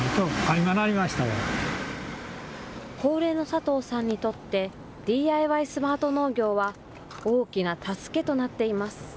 佐藤さんにとって、ＤＩＹスマート農業は、大きな助けとなっています。